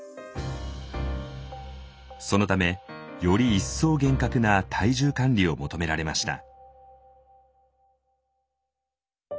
そのためより一層厳格な体重管理を求められました。